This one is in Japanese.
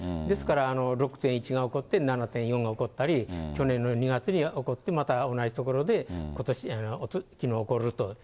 ですから、６．１が起こって７．４が起こったり、去年の２月に起こって、また同じ所でことし、きのう起こると。